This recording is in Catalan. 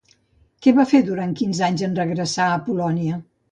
Què va fer durant quinze anys en regressar a Polònia?